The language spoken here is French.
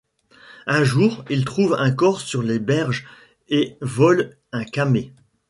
Un jour, il trouve un corps sur les berges et vole un camée.